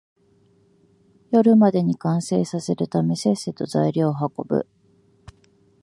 夜までに完成させるため、せっせと材料を運ぶ